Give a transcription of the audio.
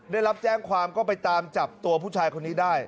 ได้รับแจ้งความก็ไปตามจับตัวผู้ชายคนนี้ได้